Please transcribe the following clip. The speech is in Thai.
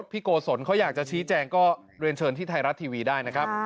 โกศลเขาอยากจะชี้แจงก็เรียนเชิญที่ไทยรัฐทีวีได้นะครับ